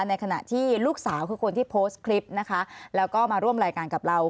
ในขณะที่ลูกสาวคือคนที่โพสต์คลิปนะคะแล้วก็มาร่วมรายการกับเรา